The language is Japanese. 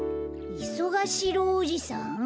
いそが四郎おじさん？